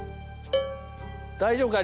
大丈夫か？